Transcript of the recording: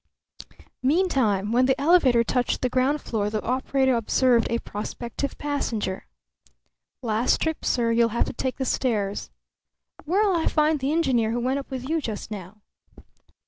Meantime, when the elevator touched the ground floor, the operator observed a prospective passenger. "Last trip, sir. You'll have to take the stairs." "Where'll I find the engineer who went up with you just now?"